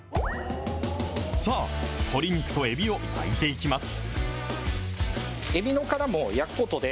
さあ、鶏肉とえびを焼いていきます。